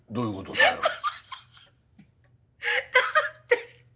だって。